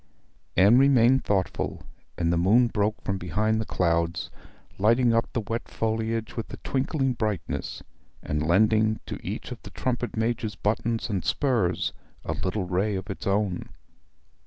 Anne remained thoughtful; and the moon broke from behind the clouds, lighting up the wet foliage with a twinkling brightness, and lending to each of the trumpet major's buttons and spurs a little ray of its own.